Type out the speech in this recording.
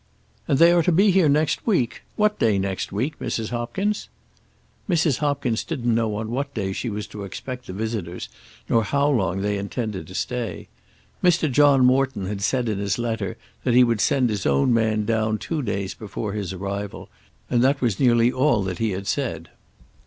"And they are to be here next week. What day next week, Mrs. Hopkins?" Mrs. Hopkins didn't know on what day she was to expect the visitors, nor how long they intended to stay. Mr. John Morton had said in his letter that he would send his own man down two days before his arrival, and that was nearly all that he had said.